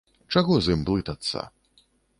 Чаго з ім блытацца.